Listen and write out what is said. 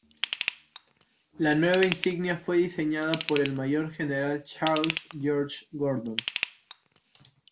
La nueva insignia fue diseñada por el mayor general Charles George Gordon.